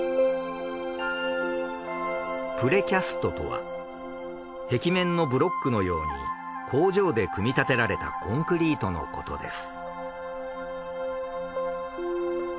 プレキャストとは壁面のブロックのように工場で組み立てられたコンクリートのことです。